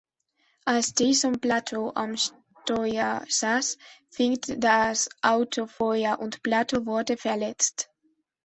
Als Jason Plato am Steuer saß, fing das Auto Feuer und Plato wurde verletzt.